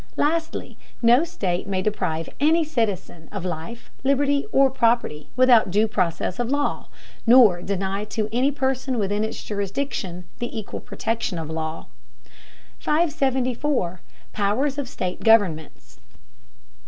Lastly, no state may deprive any citizen of life, liberty, or property without due process of law, nor deny to any person within its jurisdiction the equal protection of the law. 574. POWERS OF STATE GOVERNMENTS.